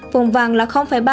vùng vàng là ba